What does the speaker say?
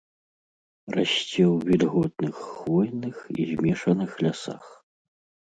Расце ў вільготных хвойных і змешаных лясах.